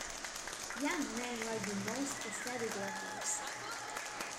Young men write the most pathetic letters!